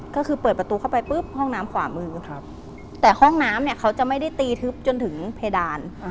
ก็คือเปิดประตูเข้าไปปุ๊บห้องน้ำขวามือแต่ห้องน้ำเนี่ยเขาจะไม่ได้ตีทึบจนถึงเพดาน